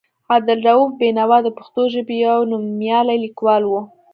عبدالرؤف بېنوا د پښتو ژبې یو نومیالی لیکوال و.